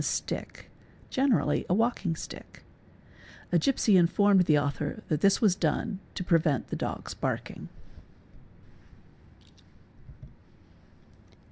a stick, generally a walking stick. A gipsy informed the author a i this was done to prevent the dogs barking.